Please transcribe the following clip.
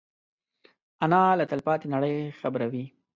انا له تلپاتې نړۍ خبروي